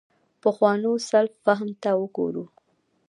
پخوانو سلف فهم ته وګورو.